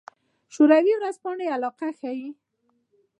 شوروي ورځپاڼې علاقه ښيي.